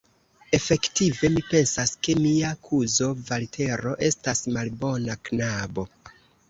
Efektive, mi pensas, ke mia kuzo Valtero estas malbona knabo.